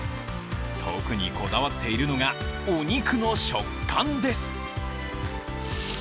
特にこだわっているのがお肉の食感です。